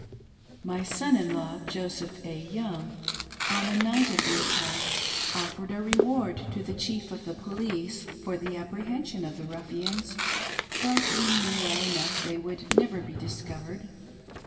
, I My son in law, Joseph A. Young, on the night of the attack offered a reward to the chief of the police, for the apprehen; sion of the ruffians ; but we knew well enough they would never be discovered.